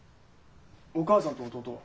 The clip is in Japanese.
お母さんと弟は？